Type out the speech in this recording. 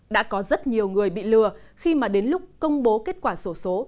đã có rất nhiều người bị lừa khi mà đến lúc công bố kết quả sổ số